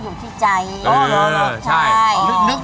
หลดเก้าก่อนพอ